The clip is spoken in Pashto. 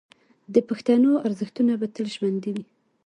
د پښتنو ارزښتونه به تل ژوندي وي.